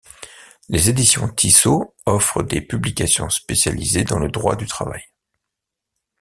Les éditions Tissot offrent des publications spécialisées dans le droit du travail.